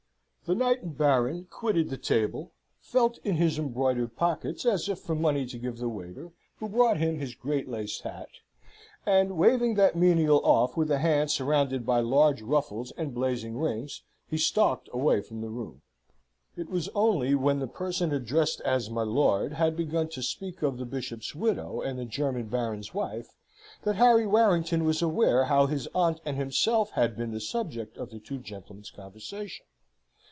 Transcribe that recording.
The knight and baron quitted the table, felt in his embroidered pockets, as if for money to give the waiter, who brought him his great laced hat, and waving that menial off with a hand surrounded by large ruffles and blazing rings, he stalked away from the room. It was only when the person addressed as my lord had begun to speak of the bishop's widow and the German baron's wife that Harry Warrington was aware how his aunt and himself had been the subject of the two gentlemen's conversation.